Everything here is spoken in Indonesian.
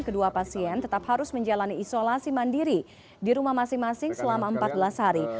kedua pasien tetap harus menjalani isolasi mandiri di rumah masing masing selama empat belas hari